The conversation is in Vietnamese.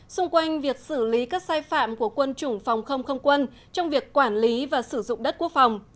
xung quanh việc xử lý các sai phạm của quân chủng phòng không không quân trong việc quản lý và sử dụng đất quốc phòng